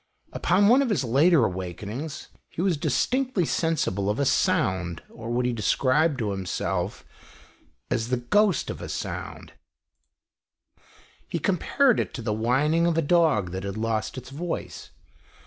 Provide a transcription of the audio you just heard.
Upon one of his later awakenings, he was distinctly sensible of a sound, or what he described to himself as the " ghost " of a sound. 74 THE EASTERN WINDOW. He compared it to the whining of a dog that had lost its voice.